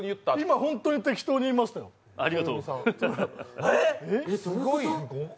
今、本当に適当に言いましたよ、トヨミさん。